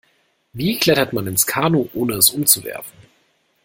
Wie klettert man ins Kanu, ohne es umzuwerfen?